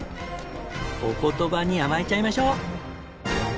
お言葉に甘えちゃいましょう！